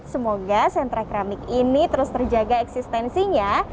semoga sentra keramik ini terus terjaga eksistensinya